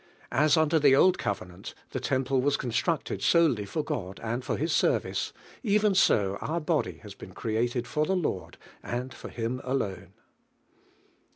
As under the old covenant, the temple was constructed solely for God, and for His service, even so our body lias been created for the Lord and for Him iilone.